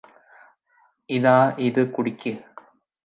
ഇതാ ഇത് കുടിക്ക്